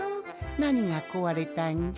なにがこわれたんじゃ？